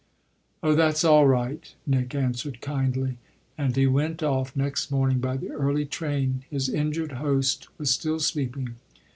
"Oh that's all right," Nick answered kindly; and he went off next morning by the early train his injured host was still sleeping.